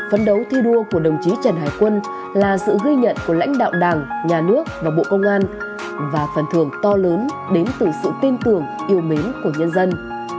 phấn đấu thi đua của đồng chí trần hải quân là sự ghi nhận của lãnh đạo đảng nhà nước và bộ công an và phần thưởng to lớn đến từ sự tin tưởng yêu mến của nhân dân